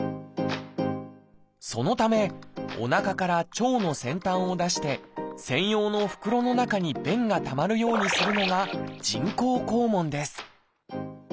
そのためおなかから腸の先端を出して専用の袋の中に便がたまるようにするのが人工肛門です